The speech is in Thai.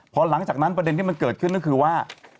พอหลังจากนั้นประเด็นที่มันเกิดขึ้นก็คือว่า